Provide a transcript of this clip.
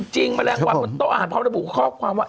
จริงแมลงวันตัวอาหารพร้อมระบุค็อกความว่า